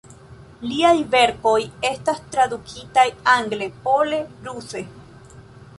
Liaj verkoj estas tradukitaj angle, pole, ruse.